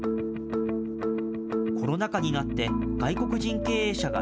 コロナ禍になって外国人経営者が